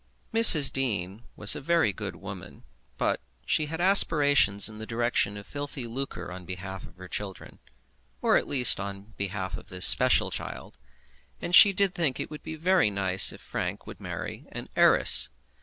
Mrs. Dean was a very good woman, but she had aspirations in the direction of filthy lucre on behalf of her children, or at least on behalf of this special child, and she did think it would be very nice if Frank would marry an heiress.